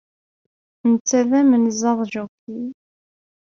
Netta d amenzaḍ Joki.